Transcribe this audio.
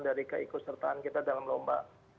dari keikutsertaan kita dalam lomba